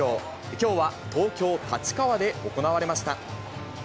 きょうは東京・立川で行われました。